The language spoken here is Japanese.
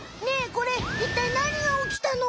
これいったいなにがおきたの？